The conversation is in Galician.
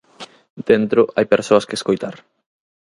Dentro hai persoas que escoitar.